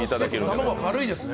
卵が軽いですね。